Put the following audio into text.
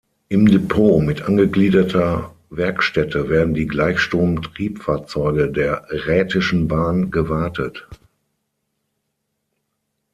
Im Depot mit angegliederter Werkstätte werden die Gleichstrom-Triebfahrzeuge der Rhätischen Bahn gewartet.